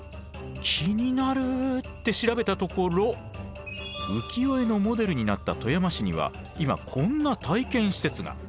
気になるって調べたところ浮世絵のモデルになった富山市には今こんな体験施設が。